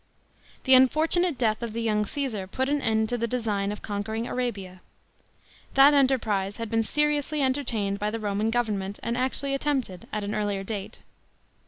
§ 3. The unfortunate death of the young Csesar put an end to the design of conquering Arabia. That enterprise had been seriously entertained by the Roman government, and actually attempted at an earlier date.